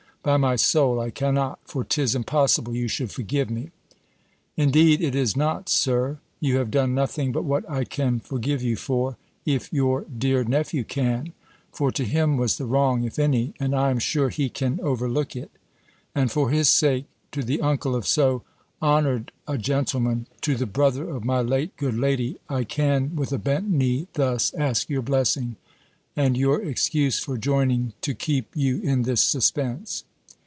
By my soul, I cannot! For 'tis impossible you should forgive me." "Indeed it is not, Sir; you have done nothing but what I can forgive you for, if your dear nephew can; for to him was the wrong, if any, and I am sure he can overlook it. And for his sake, to the uncle of so honoured a gentleman, to the brother of my late good lady, I can, with a bent knee, thus, ask your blessing, and your excuse for joining to keep you in this suspense."